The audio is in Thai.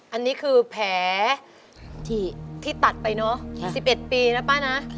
อันนี้คือแผลที่ตัดไปเนอะ๑๑ปีนะป้านะ